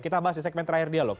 kita bahas di segmen terakhir dialog